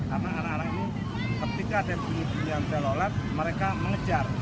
karena anak anak ini ketika ada bunyi bunyi telolet mereka mengejar